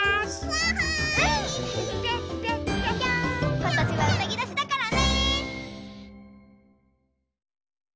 ことしはうさぎどしだからね。